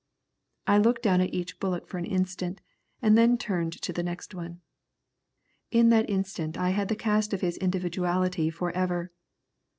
I looked down at each bullock for an instant, and then turned to the next one. In that instant I had the cast of his individuality forever.